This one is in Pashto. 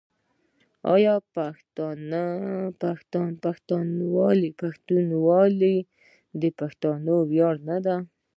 آیا پښتونولي د پښتنو ویاړ نه ده؟